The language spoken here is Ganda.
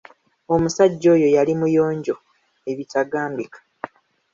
Omusajja oyo yali muyonjo ebitambika.